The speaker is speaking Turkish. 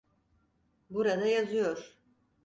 Burada yazıyor.